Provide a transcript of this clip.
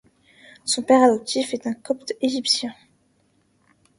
Son père adoptif est un copte égyptien.